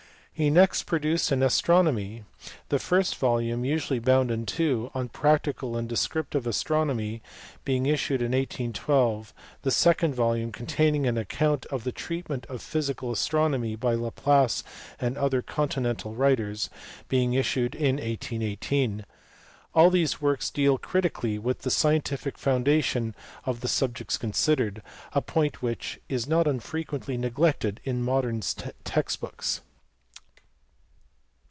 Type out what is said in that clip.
He next produced an astro nomy ; the first volume (usually bound in two) on practical and descriptive astronomy being issued in 1812, the second volume, containing an account of the treatment of physical astronomy by Laplace and other continental writers, being issued in 1818. All these works deal critically with the scientific foundation of the subjects considered a point which is not unfrequently neglected in modern text books.